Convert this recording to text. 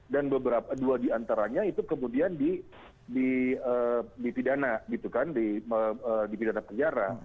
dan dua diantaranya itu kemudian dipidana gitu kan dipidana penjara